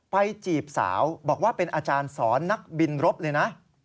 จีบสาวบอกว่าเป็นอาจารย์สอนนักบินรบเลยนะ